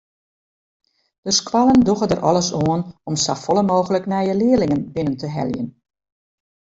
De skoallen dogge der alles oan om safolle mooglik nije learlingen binnen te heljen.